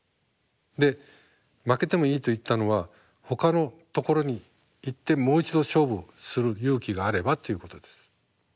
で負けてもいいと言ったのはほかのところに行ってもう一度勝負する勇気があればということです。